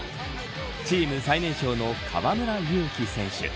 チーム最年少の河村勇輝選手。